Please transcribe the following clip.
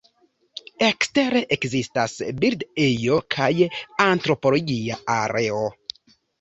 Ekstere ekzistas bird-ejo kaj antropologia areo.